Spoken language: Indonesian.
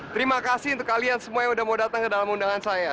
terima kasih untuk kalian semua yang sudah mau datang ke dalam undangan saya